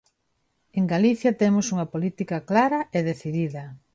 En Galicia temos unha política clara e decidida.